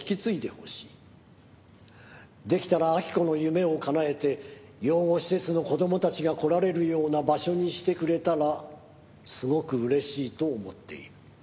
「出来たら亜木子の夢をかなえて養護施設の子供たちが来られるような場所にしてくれたらすごく嬉しいと思っている」